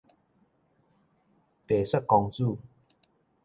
白雪公主